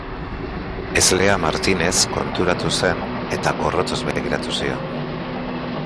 Hezlea Martinez konturatu zen, eta gorrotoz begiratu zion.